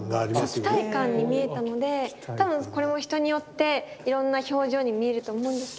そう期待感に見えたので多分これも人によっていろんな表情に見えると思うんですけど。